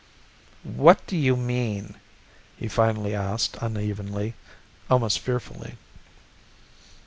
"What do you mean?" he finally asked unevenly, almost fearfully.